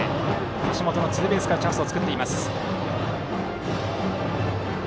橋本のツーベースからチャンスを作っています。